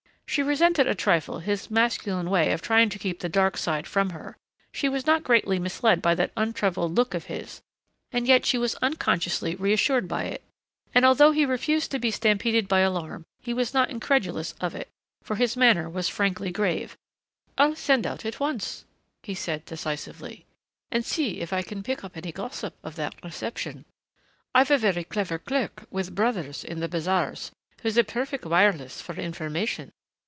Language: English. She resented a trifle his masculine way of trying to keep the dark side from her; she was not greatly misled by that untroubled look of his and yet she was unconsciously reassured by it.... And although he refused to be stampeded by alarm he was not incredulous of it, for his manner was frankly grave. "I'll send out at once," he said decisively, "and see if I can pick up any gossip of that reception. I've a very clever clerk with brothers in the bazaars who is a perfect wireless for information.